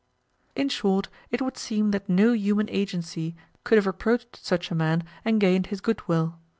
In short, it would seem that no human agency could have approached such a man and gained his goodwill.